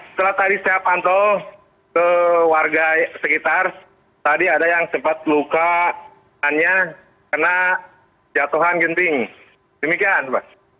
setelah tadi saya pantau ke warga sekitar tadi ada yang sempat lukanya kena jatuhan genting demikian pak